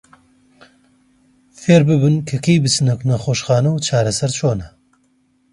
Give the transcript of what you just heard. فێرببن کە کەی بچنە نەخۆشخانە و چارەسەر چۆنە.